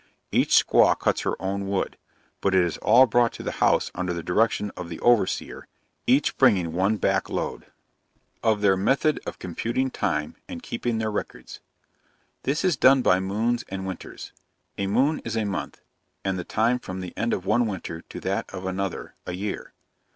Each squaw cuts her own wood; but it is all brought to the house under the direction of the overseer each bringing one back load. OF THEIR METHOD OF COMPUTING TIME, AND KEEPING THEIR RECORDS. This is done by moons and winters: a moon is a month, and the time from the end of one winter to that of another, a year.